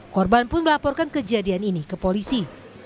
korban pun melaporkan kejadian ini ke polisi